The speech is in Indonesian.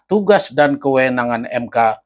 tugas dan kewenangan mk